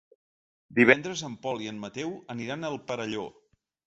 Divendres en Pol i en Mateu aniran al Perelló.